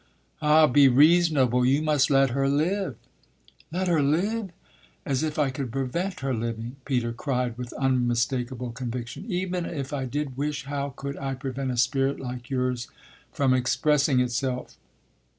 Ah be reasonable; you must let her live!" "Let her live? As if I could prevent her living!" Peter cried with unmistakable conviction. "Even if I did wish how could I prevent a spirit like yours from expressing itself?